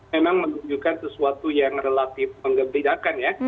memang menunjukkan sesuatu yang relatif mengembirakan ya